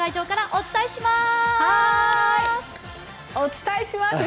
お伝えします！